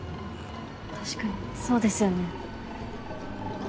確かにそうですよね。